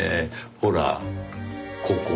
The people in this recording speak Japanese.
ほらここ。